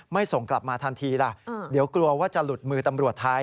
ส่งกลับมาทันทีล่ะเดี๋ยวกลัวว่าจะหลุดมือตำรวจท้าย